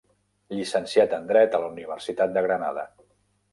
Llicenciat en dret a la Universitat de Granada.